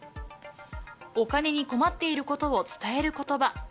お金に困っていることを伝えることば。